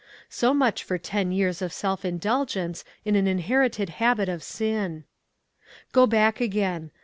So much for ten years of self indulgence in an inherited habit of sin. Go back again.